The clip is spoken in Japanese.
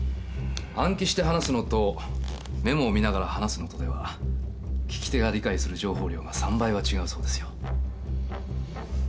暗記して話すのとメモを見ながら話すのとでは聞き手が理解する情報量が３倍は違うそうですよ。